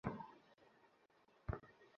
উপরোক্ত হাদীস মারফুরূপে গরীব পর্যায়ের।